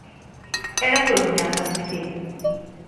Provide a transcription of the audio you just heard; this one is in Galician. "É da Coruña", admitín."